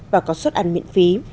và có suất ăn miễn phí